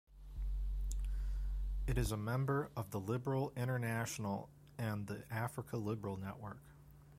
It is a member of the Liberal International and the Africa Liberal Network.